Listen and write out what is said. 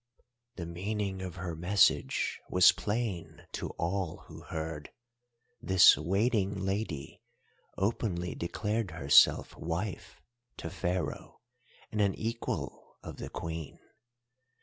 "The meaning of her message was plain to all who heard; this waiting lady openly declared herself wife to Pharaoh and an equal of the Queen.